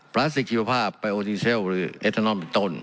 ปลาสติกกิโลกภาพไพโอทีเซลอิทธานอมปิตต้น